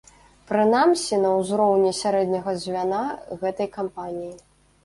Прынамсі, на ўзроўні сярэдняга звяна гэтай кампаніі.